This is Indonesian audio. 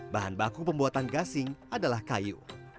bahan baku pembuatan gasing adalah kayu